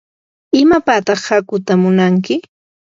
¿imapataq hakuuta munanki?